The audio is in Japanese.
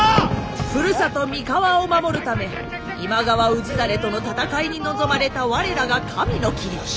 ふるさと三河を守るため今川氏真との戦いに臨まれた我らが神の君。